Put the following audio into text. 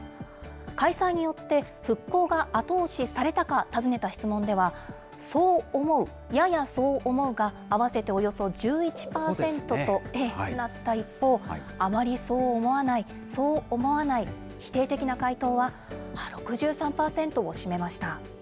開催によって、復興が後押しされたか尋ねた質問では、そう思う、ややそう思うが、合わせておよそ１１％となった一方、あまりそう思わない、そう思わない、否定的な回答は６３％を占めました。